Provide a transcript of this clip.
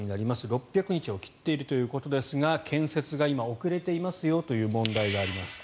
６００日を切っているということですが建設が今、遅れていますよという問題があります。